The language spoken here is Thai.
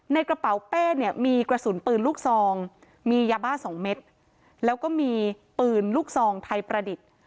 ในกระเป๋าเป้เนี่ยมีกระสุนปืนลูกซองมียาบ้าสองเม็ดแล้วก็มีปืนลูกซองไทยประดิษฐ์